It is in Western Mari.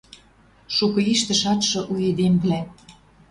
Шукы иштӹ шачшы у эдемвлӓ